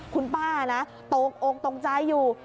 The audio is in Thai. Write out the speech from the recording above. คุณป้าโตโกรธตรงใจอยู่